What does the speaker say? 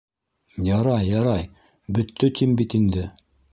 - Ярай, ярай, бөттө тим бит инде.